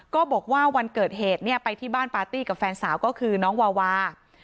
บอกว่าวันเกิดเหตุเนี่ยไปที่บ้านปาร์ตี้กับแฟนสาวก็คือน้องวาวา